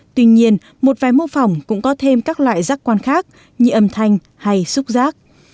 tuy nhiên một vài mô phỏng cũng có thêm các loại rác quan khác như âm thanh hay xúc rác